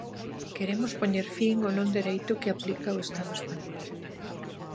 "Queremos poñer fin ao non dereito que aplica o estado español".